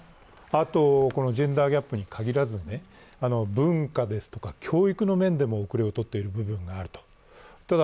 ジェンダーギャップに限らず文化ですとか教育の面でも遅れをとっている部分がある。